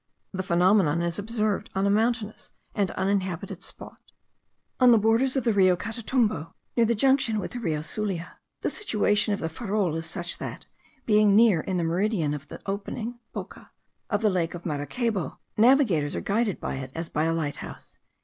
The phenomenon is observed on a mountainous and uninhabited spot, on the borders of the Rio Catatumbo, near the junction with the Rio Sulia. The situation of the farol is such that, being nearly in the meridian of the opening (boca) of the lake of Maracaybo, navigators are guided by it as by a lighthouse.)